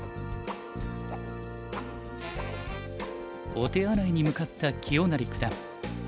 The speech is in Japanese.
お手洗いに向かった清成九段。